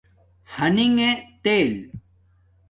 ھنݣ تیل